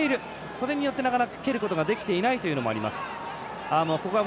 それによって蹴ることができていないということがあります。